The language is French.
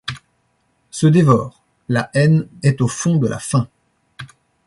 Se dévore ; la haine est au fond de la faim.